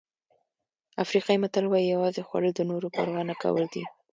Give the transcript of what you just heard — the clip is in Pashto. افریقایي متل وایي یوازې خوړل د نورو پروا نه کول دي.